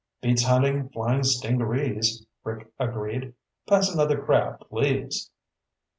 "Beats hunting flying stingarees," Rick agreed. "Pass another crab, please."